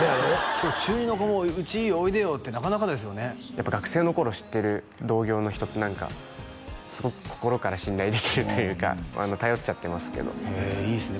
しかも中２の子もうちおいでよってなかなかですよねやっぱ学生の頃知ってる同業の人って何かすごく心から信頼できるというか頼っちゃってますけどいいですね